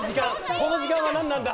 この時間は何なんだ。